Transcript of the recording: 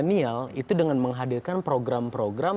mengeruk suara milenial itu dengan menghadirkan program program